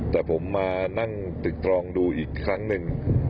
แต่ผมมานั่งตึกตรองดูอีกครั้งหนึ่ง